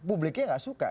publiknya gak suka